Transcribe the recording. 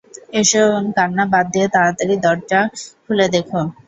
এখন কান্না বাদ দিয়ে তাড়াতাড়ি দরজা খুলে দেখো!